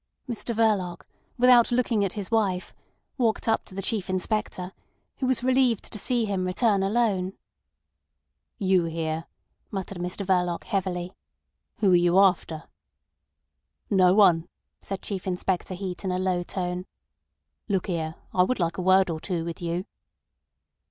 Mr Verloc, without looking at his wife, walked up to the Chief Inspector, who was relieved to see him return alone. "You here!" muttered Mr Verloc heavily. "Who are you after?" "No one," said Chief Inspector Heat in a low tone. "Look here, I would like a word or two with you."